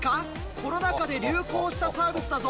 コロナ禍で流行したサービスだぞ。